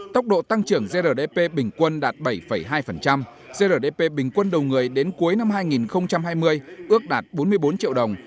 tốc độ tăng trưởng grdp bình quân đạt bảy hai grdp bình quân đầu người đến cuối năm hai nghìn hai mươi ước đạt bốn mươi bốn triệu đồng